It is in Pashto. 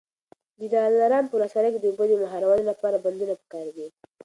د دلارام په ولسوالۍ کي د اوبو د مهارولو لپاره بندونه پکار دي.